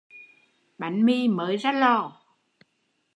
Bánh mì mới ra lò